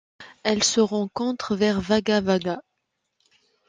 Elle se rencontre vers Wagga Wagga.